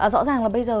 rõ ràng là bây giờ